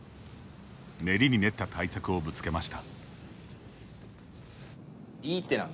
練りに練った対策をぶつけました。